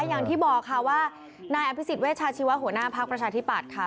อย่างที่บอกค่ะว่านายอภิษฎเวชาชีวะหัวหน้าภักดิ์ประชาธิปัตย์ค่ะ